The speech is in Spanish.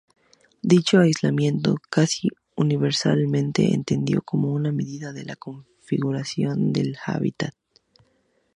Dicho aislamiento es casi universalmente entendido como una medida de la configuración del hábitat.